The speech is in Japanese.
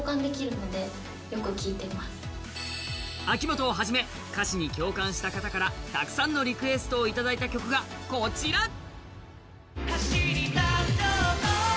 秋元をはじめ歌詞に共感した方からたくさんのリクエストをいただいた曲がこちら。